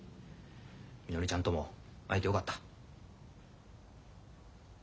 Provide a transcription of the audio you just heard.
みのりちゃんとも会えてよかった。